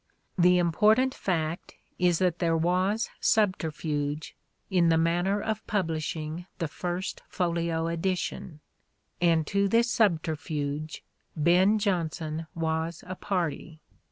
The important fact is that there was subterfuge in the manner of publishing the First Folio edition, and to this subterfuge Ben Jonson was a party.